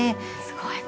すごい。